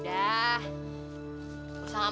tidak harus dipinta senyum